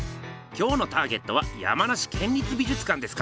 今日のターゲットは山梨県立美術館ですか。